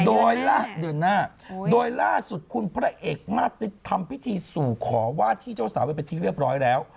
โดยเดือนหน้าโดยล่าสุดคุณพระเอกมาสติ๊กทำพิธีสู่ขอว่าที่เจ้าสาวไปเป็นที่เรียบร้อยแล้ว